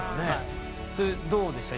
それどうでした？